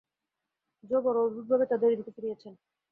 জো বড় অদ্ভুতভাবে তাঁদের এদিকে ফিরিয়েছেন।